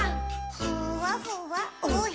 「ふわふわおへそ」